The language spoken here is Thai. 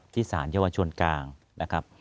สารเยาวชนกลางนะครับ